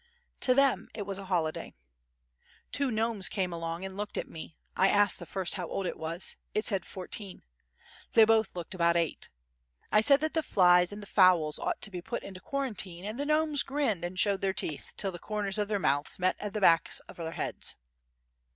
To them it was a holiday. Two gnomes came along and looked at me. I asked the first how old it was; it said fourteen. They both looked about eight. I said that the flies and the fowls ought to be put into quarantine, and the gnomes grinned and showed their teeth till the corners of their mouths met at the backs of their heads.